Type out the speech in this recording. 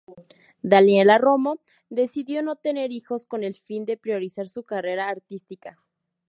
Daniela Romo decidió no tener hijos con el fin de priorizar su carrera artística.